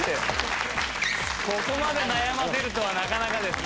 ここまで悩ませるとはなかなかですね。